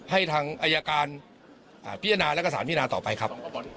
ให้ทางอัยการพิจารณาและกษานพิจารณาต่อไปครับ